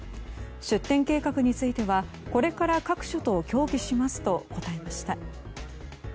出店計画についてはこれから各所と協議しますと答えました。